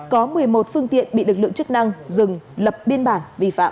có một mươi một phương tiện bị lực lượng chức năng dừng lập biên bản vi phạm